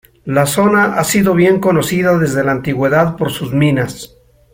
La zona ha sido bien conocida desde la antigüedad por sus minas.